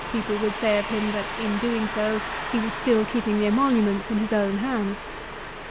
people would say of him, that in doing so he was still keeping the emoluments in his own hands.